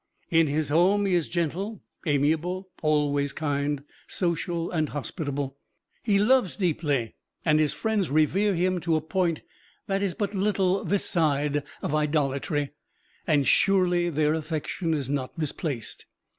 In his home he is gentle, amiable, always kind, social and hospitable. He loves deeply, and his friends revere him to a point that is but little this side of idolatry. And surely their affection is not misplaced.